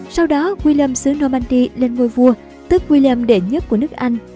sau đó william xứ normandy lên ngôi vua tức william đệ nhất của nước anh